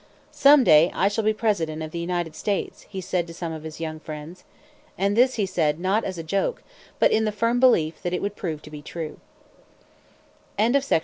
"Some day I shall be President of the United States," he said to some of his young friends. And this he said not as a joke, but in the firm belief that it would prove to be true. VI.